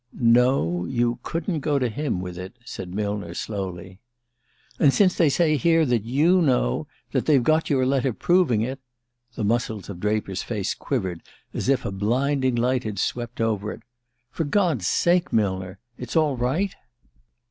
"No; you couldn't go to him with it," said Millner slowly. "And since they say here that you know: that they've got your letter proving it " The muscles of Draper's face quivered as if a blinding light had been swept over it. "For God's sake, Millner it's all right?"